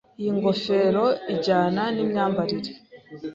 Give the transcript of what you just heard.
Iyi ngofero ijyana nimyambarire.